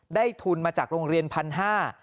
ทุนมาจากโรงเรียนพันห้า